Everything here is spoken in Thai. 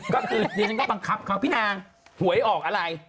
ฉันก็บังคับพี่นางหวยออกอะไร